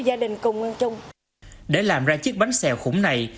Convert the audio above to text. để làm ra chiếc bánh xèo khổng này